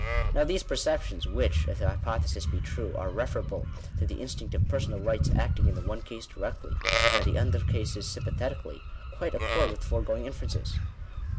Now these perceptions, which, if the hypothesis be true, are referable to the instinct of per sonal rights acting in the one case directly, and in the other cases sympathetically, quite accord with foregoing inferences.